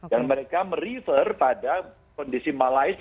dan mereka meriver pada kondisi malais yang lebih tinggi